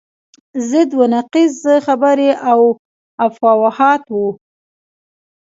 ضد و نقیض خبرې او افواهات وو.